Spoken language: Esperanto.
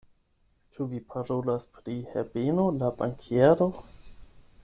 Ĉu vi parolas pri Herbeno la bankiero?